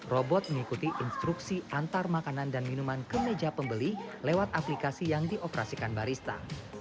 robot mengikuti instruksi antar makanan dan minuman ke meja pembeli lewat aplikasi yang dioperasikan barista